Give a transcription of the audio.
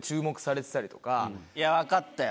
いや分かったよ